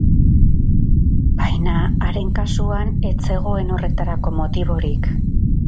Baina haren kasuan ez zegoen horretarako motiborik.